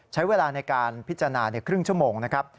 ใช้เวลาในการพิจารณาครึ่งชั่วโมงนะครับ